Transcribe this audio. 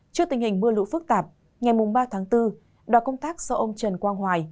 trước tình hình mưa lũ phức tạp ngày ba tháng bốn đoàn công tác do ông trần quang hoài